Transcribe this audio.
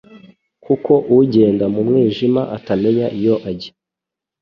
kuko ugenda mu mwijima atamenya iyo ajya.